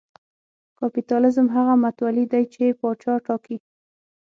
کاپیتالېزم هغه متولي دی چې پاچا ټاکي.